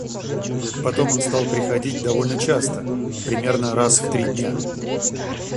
Потом он стал приходить довольно часто, примерно раз в три дня.